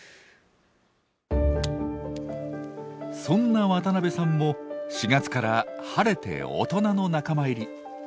そんな渡部さんも４月から晴れて大人の仲間入り。